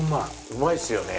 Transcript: うまいっすよね。